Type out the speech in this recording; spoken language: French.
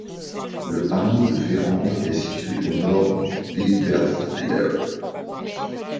Le hameau de Ferange est situé au nord d’Ébersviller.